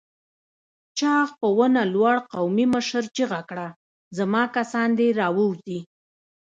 چاغ په ونه لوړ قومي مشر چيغه کړه! زما کسان دې راووځي!